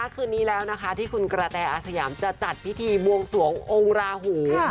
คืนนี้แล้วนะคะที่คุณกระแตอาสยามจะจัดพิธีบวงสวงองค์ราหู